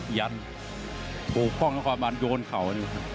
หิดภูษของนครบ้านโยนเข่า